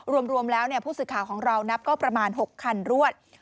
รวมแล้วผู้สื่อข่าวของเรานับก็ประมาณ๖คันรวด